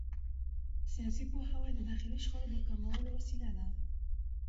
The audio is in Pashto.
سیاسي پوهاوی د داخلي شخړو د کمولو وسیله ده